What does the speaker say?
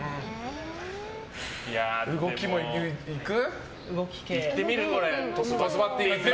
動き系いく？